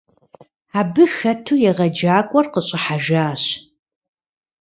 Абы хэту егъэджакӏуэр къыщӀыхьэжащ.